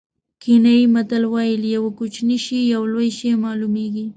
کینیايي متل وایي له یوه کوچني شي یو لوی شی معلومېږي.